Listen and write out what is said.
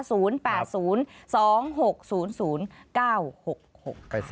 โทรไปสั่งก็ได้นะครับ